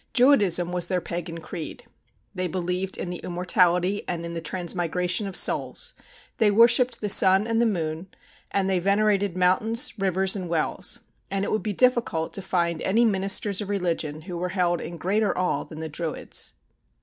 Druidism was their pagan creed. They believed in the immortality and in the transmigration of souls; they worshipped the sun and moon, and they venerated mountains, rivers, and wells; and it would be difficult to find any ministers of religion who were held in greater awe than the Druids.